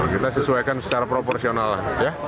kita sesuaikan secara proporsional lah